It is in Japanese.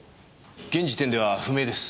現時点では不明です。